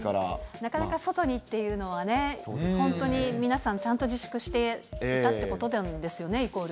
なかなか外にっていうのはね、本当に皆さん、ちゃんと自粛していたっていうことなんですよね、イコール。